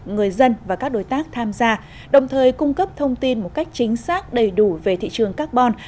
người dân và các đối tác tham gia đồng thời cung cấp thông tin một cách chính xác đầy đủ về thị trường carbon